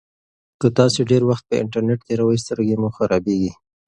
که تاسي ډېر وخت په انټرنيټ تېروئ سترګې مو خرابیږي.